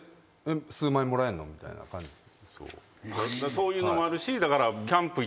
そういうのもあるし。